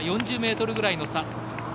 ４０ｍぐらいの差。